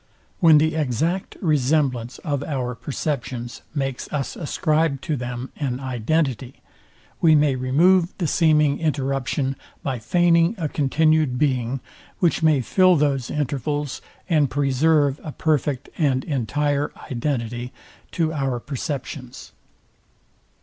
When the exact resemblance of our perceptions makes us ascribe to them an identity, we may remove the seeming interruption by feigning a continued being, which may fill those intervals, and preserve a perfect and entire identity to our perceptions.